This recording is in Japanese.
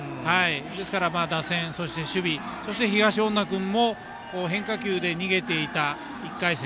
ですから打線、そして守備そして東恩納君も変化球で逃げていた１回戦。